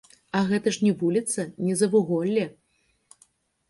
А гэта ж не вуліца, не завуголле.